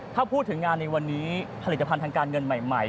ถ้าพูดถึงงานในวันนี้ผลิตภัณฑ์ทางการเงินใหม่